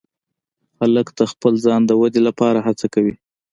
هلک د خپل ځان د ودې لپاره هڅه کوي.